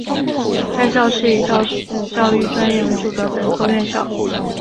该校是以教师教育专业为主的本科院校。